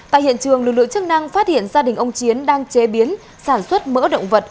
tại hiện trường lực lượng chức năng phát hiện gia đình ông chiến đang chế biến sản xuất mỡ động vật